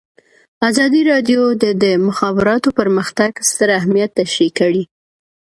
ازادي راډیو د د مخابراتو پرمختګ ستر اهميت تشریح کړی.